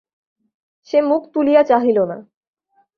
সে মুখ তুলিয়া চাহিল না।